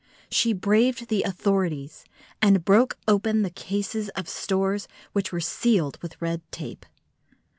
She braved the authorities, and broke open the cases of stores which were sealed with red tape.